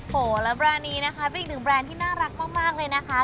โหแล้วแบรนด์นี้นะคะเป็นอีกหนึ่งแบรนด์ที่น่ารักมากเลยนะคะ